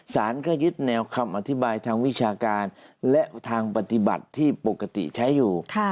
สารก็ยึดแนวคำอธิบายทางวิชาการและทางปฏิบัติที่ปกติใช้อยู่